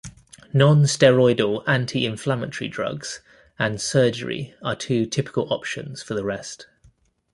Non-steroidal anti inflammatory drugs and surgery are two typical options for the rest.